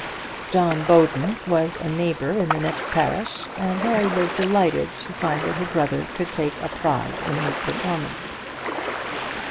John Bowden was a neighbour in the next parish, and Mary was delighted to find that her brother could take a pride in his performance.